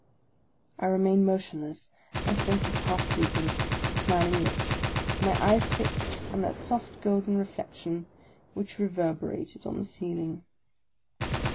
I remained motionless, my senses half sleeping, with smiling lips, and my eyes fixed oh that soft golden reflection which reverberated on the ceiling.